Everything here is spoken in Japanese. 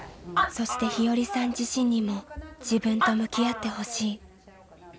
そして日和さん自身にも自分と向き合ってほしい。